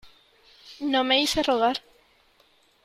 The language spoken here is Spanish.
no me hice rogar .